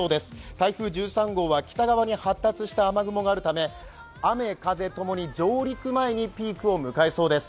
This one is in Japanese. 台風１３号は北側に発達した雨雲があるため雨・風共に上陸前にピークを迎えそうです。